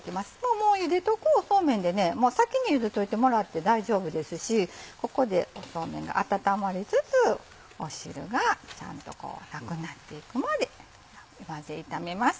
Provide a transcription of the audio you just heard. もうゆでておくそうめんでね先にゆでといてもらって大丈夫ですしここでそうめんが温まりつつ汁がちゃんとなくなっていくまで混ぜ炒めます。